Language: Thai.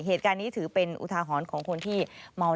เหตุการณ์นี้ถือเป็นอุทาหรณ์ของคนที่เมา